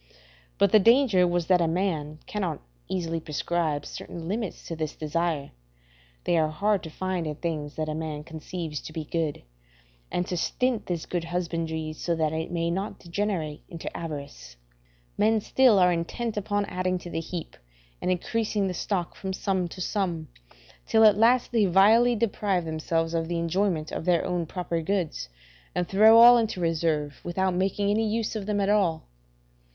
But the danger was that a man cannot easily prescribe certain limits to this desire (they are hard to find in things that a man conceives to be good), and to stint this good husbandry so that it may not degenerate into avarice: men still are intent upon adding to the heap and increasing the stock from sum to sum, till at last they vilely deprive themselves of the enjoyment of their own proper goods, and throw all into reserve, without making any use of them at all.